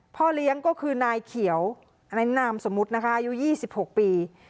พ่อเลี้ยงก็คือนายเขียวอันนั้นนามสมมุตินะคะอายุ๒๖ปี